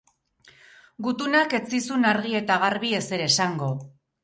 Gutunak ez zizun argi eta garbi ezer esango.